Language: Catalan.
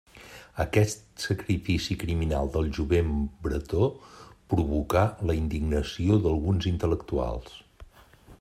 Aquest sacrifici criminal del jovent bretó provocà la indignació d'alguns intel·lectuals.